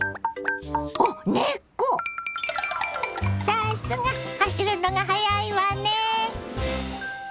さすが走るのが速いわね。